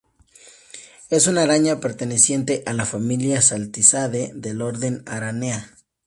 Es una araña perteneciente a la familia Salticidae del orden Araneae.